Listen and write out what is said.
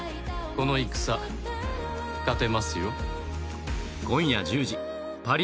この戦、勝てますよ。